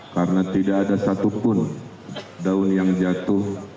karena tidak ada satupun daun yang jatuh